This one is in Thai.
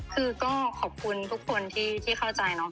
คือก็ขอบคุณทุกคนที่เข้าใจเนาะ